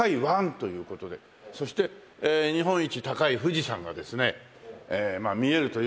そして日本一高い富士山がですね見えるという事で。